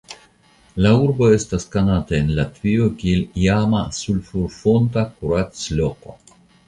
La urbo estas konata en Latvio kiel la iama sulfurfonta kuracloko.